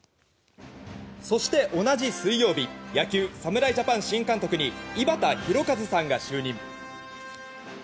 そして同じ水曜日野球、侍ジャパン新監督に井端弘和さんが就任。